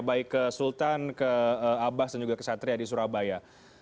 baik ke sultan ke abbas dan juga kesatria di surabaya